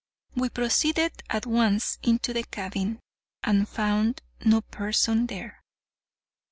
We proceeded at once into the cabin, and found no person there.